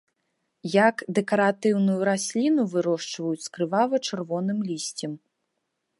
Як дэкаратыўную расліну вырошчваюць з крывава-чырвоным лісцем.